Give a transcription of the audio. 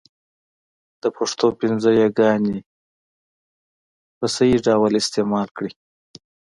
د پښتو پنځه یاګاني ی، ي، ې، ۍ، ئ په صحيح ډول استعمال کړئ!